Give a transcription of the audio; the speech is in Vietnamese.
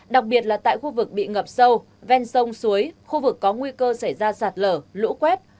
đặc biệt là tại khu vực bị ngập sâu ven sông suối khu vực có nguy cơ xảy ra sạt lở lũ quét